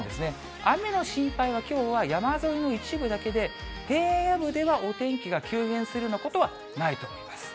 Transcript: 雨の心配は、きょうは山沿いの一部だけで、平野部ではお天気が急変するようなことはないと思います。